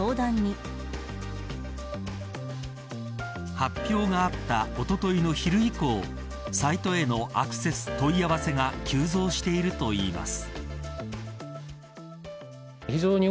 発表があったおとといの昼以降サイトへのアクセス問い合わせが急増しているといいます。